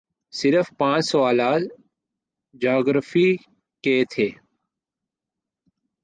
صرف پانچ سوالات جغرافیے کے تھے